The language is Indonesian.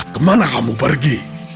kemana kamu pergi